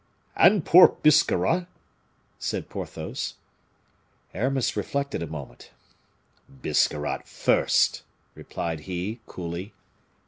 "And poor Biscarrat?" said Porthos. Aramis reflected a moment "Biscarrat first," replied he, coolly.